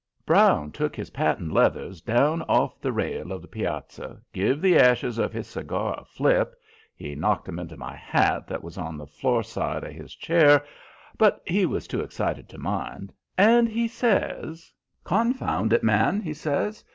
Brown took his patent leathers down off the rail of the piazza, give the ashes of his cigar a flip he knocked 'em into my hat that was on the floor side of his chair, but he was too excited to mind and he says: "Confound it, man!" he says.